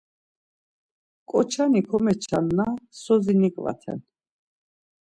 Ǩoç̌ani komeçanna sozi niǩvaten.